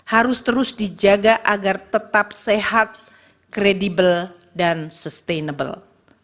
harus terus dijaga agar tetap sehat kredibel dan sustainable